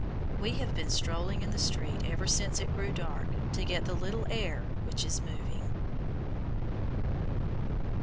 We have been strolling in the street every since it grew dark to get the little air which is moving.